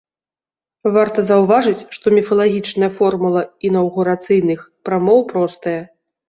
Варта заўважыць, што міфалагічная формула інаўгурацыйных прамоў простая.